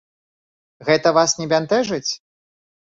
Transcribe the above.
Гэта вас не бянтэжыць?